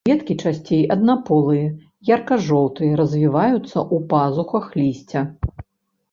Кветкі часцей аднаполыя, ярка-жоўтыя, развіваюцца ў пазухах лісця.